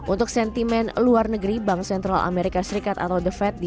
untuk sentimen luar negeri bank sentral amerika serikat atau the fed